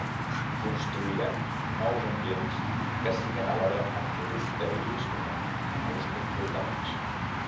Construirem nous ambients que siguen alhora el producte i l'instrument de nous comportaments.